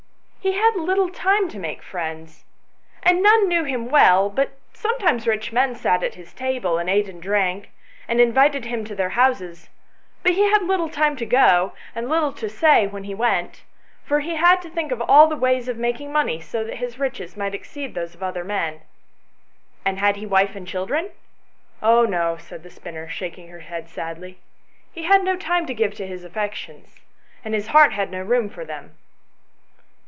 "He had little time to make friends, and none knew him well ; but sometimes rich men sat at his table, and ate and drank, and invited him to their houses, but he had little time to go, and little to say when he went, for he had to think of all the ways of making money, so that his riches might exceed those of other men." "And had he wife and children ?"" Oh no," said the spinner, shaking her head sadly ;" he had no time to give to his affections, and his heart had no room for them."